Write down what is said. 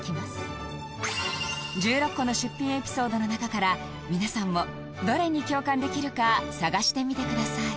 １６個の出品エピソードの中から皆さんもどれに共感できるか探してみてください